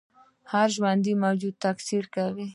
هر ژوندی موجود تکثیر کوي